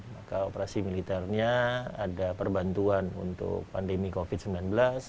maka operasi militernya ada perbantuan untuk pandemi covid sembilan belas